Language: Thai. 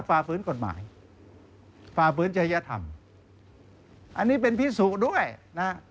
ฝ่าฟื้นกฎหมายฝ่าฟื้นจริยธรรมอันนี้เป็นพิสุด้วยนะฮะ